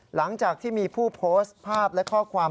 หลังจากที่มีผู้โพสต์ภาพและข้อความ